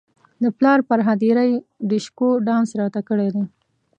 د پلار پر هدیره یې ډیشکو ډانس راته کړی دی.